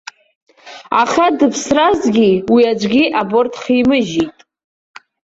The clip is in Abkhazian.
Аха дыԥсразгьы, уи аӡәы аборт дхимыжьит.